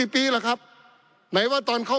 ปี๑เกณฑ์ทหารแสน๒